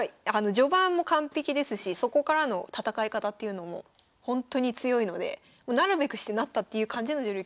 序盤も完璧ですしそこからの戦い方っていうのもほんとに強いのでなるべくしてなったっていう感じの女流棋士でした。